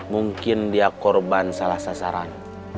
mungkin dia korban salah sasaran